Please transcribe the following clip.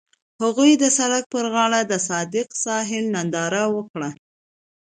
هغوی د سړک پر غاړه د صادق ساحل ننداره وکړه.